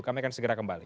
kami akan segera kembali